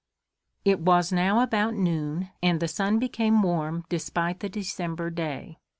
It was now about noon, and the sun became warm despite the December day.